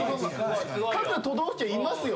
各都道府県いますよ？